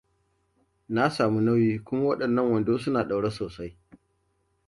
Na sami nauyi kuma waɗannan wando suna da ɗaure sosai.